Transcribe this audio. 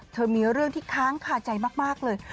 มีเรื่องที่ค้างคาใจมากเลย